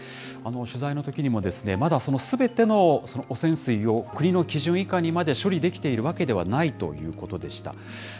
取材のときにも、まだすべての汚染水を国の基準以下にまで処理できているわけではないということでした。